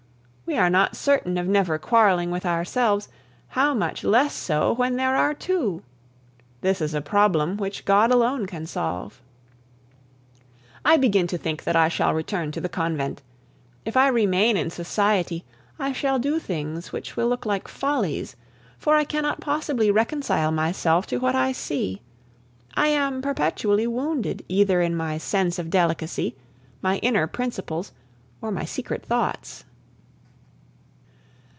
We are not certain of never quarreling with ourselves, how much less so when there are two? This is a problem which God alone can solve. I begin to think that I shall return to the convent. If I remain in society, I shall do things which will look like follies, for I cannot possibly reconcile myself to what I see. I am perpetually wounded either in my sense of delicacy, my inner principles, or my secret thoughts.